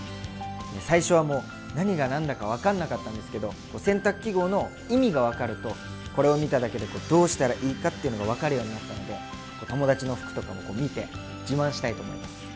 最初はもう何が何だか分かんなかったんですけど洗濯記号の意味が分かるとこれを見ただけでどうしたらいいかっていうのが分かるようになったので友達の服とか見て自慢したいと思います。